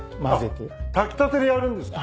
あっ炊きたてでやるんですか？